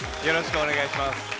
よろしくお願いします。